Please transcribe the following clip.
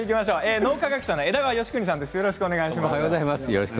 脳科学者の枝川義邦さんです。